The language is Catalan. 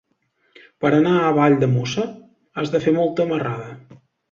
Per anar a Valldemossa has de fer molta marrada.